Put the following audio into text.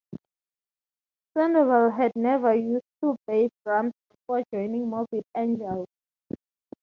Sandoval had never used two bass drums before joining Morbid Angel.